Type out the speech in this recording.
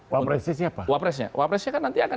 wapresnya wapresnya wapresnya kan nanti akan